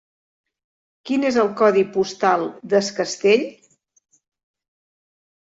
Quin és el codi postal d'Es Castell?